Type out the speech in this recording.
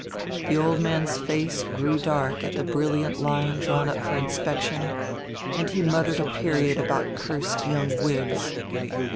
The old man's face grew dark at the brilliant line drawn up for inspection, and he muttered a period about cursed young Whigs.